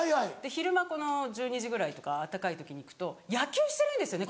昼間１２時ぐらいとか暖かい時に行くと野球してるんですよね